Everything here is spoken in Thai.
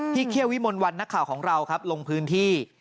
ที่เครียววิมนต์วันนักข่าวของเราลงพื้นที่